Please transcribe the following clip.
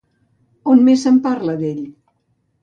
On més se'n parla, d'ell?